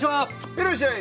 いらっしゃい！